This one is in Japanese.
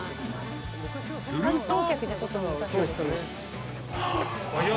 ［すると］